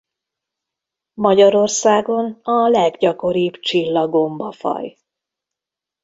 Magyarországon a leggyakoribb csillagomba-faj.